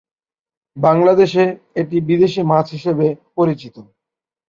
বাংলাদেশে এটি বিদেশী মাছ হিসাবে পরিচিত।